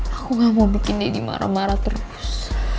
aku gak mau bikin deddy marah marah terus